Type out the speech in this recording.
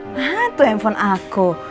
hah tuh handphone aku